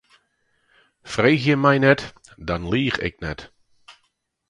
Freegje my net, dan liich ik net.